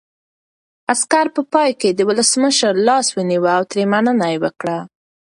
عسکر په پای کې د ولسمشر لاس ونیو او ترې مننه یې وکړه.